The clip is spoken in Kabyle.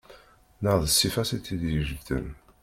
Neɣ d ssifa-s i tt-id-ijebden.